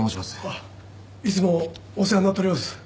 あっいつもお世話になっております。